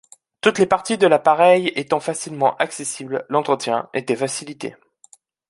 Toutes les parties de l’appareil étant facilement accessibles, l’entretien était facilité.